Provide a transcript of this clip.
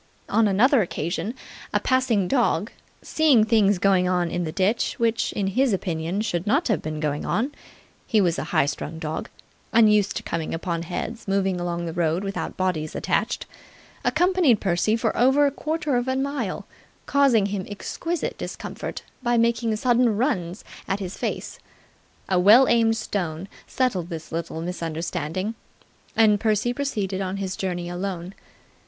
On another occasion, a passing dog, seeing things going on in the ditch which in his opinion should not have been going on he was a high strung dog, unused to coming upon heads moving along the road without bodies attached accompanied Percy for over a quarter of a mile, causing him exquisite discomfort by making sudden runs at his face. A well aimed stone settled this little misunderstanding, and Percy proceeded on his journey alone.